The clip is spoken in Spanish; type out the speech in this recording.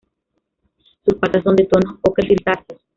Sus patas son de tonos ocres grisáceos.